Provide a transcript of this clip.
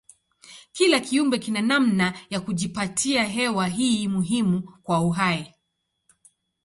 Kila kiumbe kina namna ya kujipatia hewa hii muhimu kwa uhai.